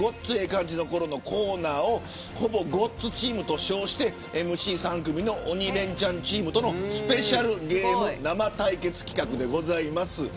感じのころのコーナーをほぼごっつチームと称してＭＣ３組の鬼レンチャンチームとのスペシャルゲーム生対決企画です。